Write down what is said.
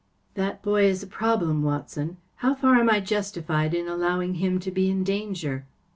That boy is a problem, Watson. How far am I justified in allowing him to be in danger